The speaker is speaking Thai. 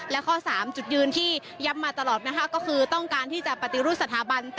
และข้อ๓จุดยืนที่ย้ำมาตลอดนะคะก็คือต้องการที่จะปฏิรูปสถาบัน